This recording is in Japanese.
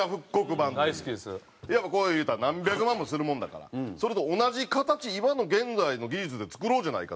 やっぱ言ったら何百万もするものだからそれと同じ形今の現在の技術で作ろうじゃないかという事で。